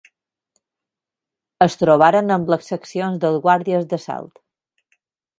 Es trobaren amb les seccions dels guàrdies d'assalt.